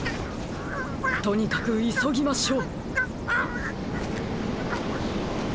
とにかくいそぎましょう！